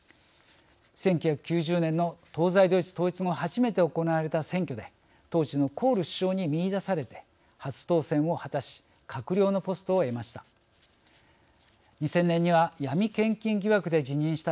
１９９０年の東西ドイツ統一後初めて行われた選挙で当時のコール首相に見いだされて初当選を果たし閣僚のポストを得ました。